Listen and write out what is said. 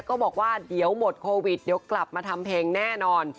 ก็บอกว่าเดี๋ยวหมดโควิดเดี๋ยวกลับมาทำเพลงแน่นอน